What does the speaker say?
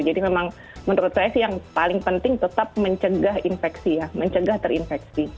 jadi memang menurut saya sih yang paling penting tetap mencegah infeksi ya mencegah terinfeksi